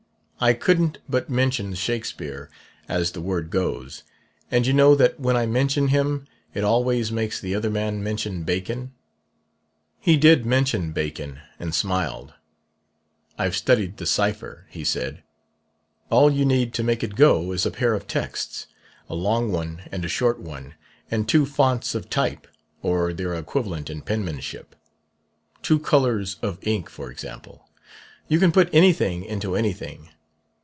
I couldn't but mention 'Shakespeare' as the word goes; and you know that when I mention him, it always makes the other man mention Bacon. He did mention Bacon, and smiled. 'I've studied the cipher,' he said. 'All you need to make it go is a pair of texts a long one and a short one and two fonts of type, or their equivalent in penmanship. Two colors of ink, for example. You can put anything into anything.